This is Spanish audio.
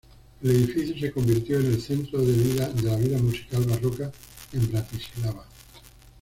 El edificio se convirtió en el centro de la vida musical barroca en Bratislava.